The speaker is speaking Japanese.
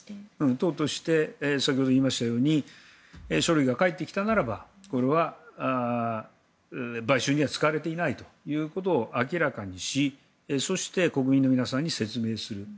党として先ほど言いましたように書類が返ってきたならばこれは買収には使われていないということを明らかにし、そして国民の皆さんに説明する。